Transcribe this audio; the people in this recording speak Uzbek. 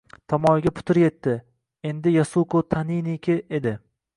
Tamoyilga putur etdi, endi Yasuko Taniniki edi